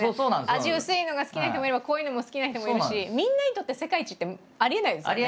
味薄いのが好きな人もいれば濃いのも好きな人もいるしみんなにとって世界一ってありえないですもんね。